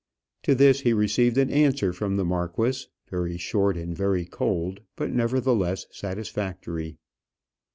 To this he received an answer from the marquis, very short and very cold, but nevertheless satisfactory.